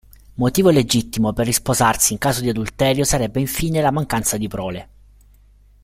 Motivo legittimo per risposarsi in caso di adulterio sarebbe infine la mancanza di prole.